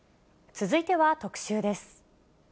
続いては特集です。